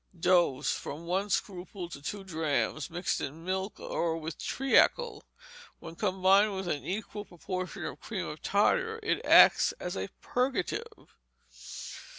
Dose, from one scruple to two drachms, mixed in milk or with treacle. When combined with an equal proportion of cream of tartar, it acts as a purgative.